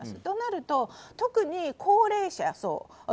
となると、特に高齢者層。